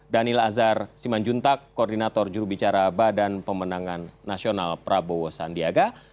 daniel azhar simanjuntak koordinator jurubicara badan pemenangan nasional prabowo sandiaga